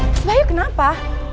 mas bayu kenapa